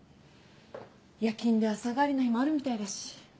夜勤で朝帰りの日もあるみたいだし。